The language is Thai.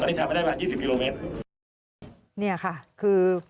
ตอนนี้ทำไม่ได้มา๒๐กิโลเมตร